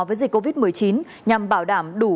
với dịch covid một mươi chín nhằm bảo đảm đủ